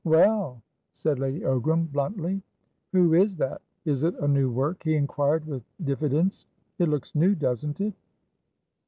"Well?" said Lady Ogram, bluntly. "Who is that? Is it a new work?" he inquired, with diffidence. "It looks new, doesn't it?"